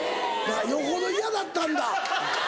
よほど嫌だったんだ！